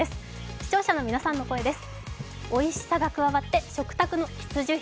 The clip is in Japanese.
視聴者の皆さんの声です。